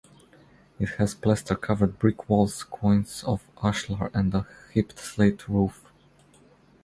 It has plaster-covered brick walls, quoins of ashlar, and a hipped slate roof.